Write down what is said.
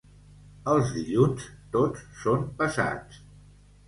Els dilluns tots són pesats.